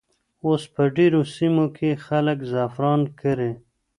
اوس په ډېرو سیمو کې خلک زعفران کري.